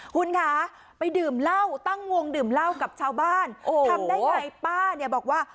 คุณคะไปดื่มเหล้าตั้งวงดื่มเหล้ากับชาวบ้านทำได้ไงป้าเนี่ยบอกว่า